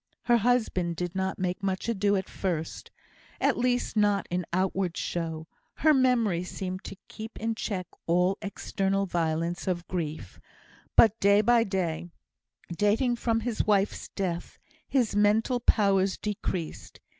Her husband did not make much ado at first at least, not in outward show; her memory seemed to keep in check all external violence of grief; but, day by day, dating from his wife's death, his mental powers decreased.